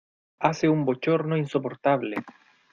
Hace un bochorno insoportable.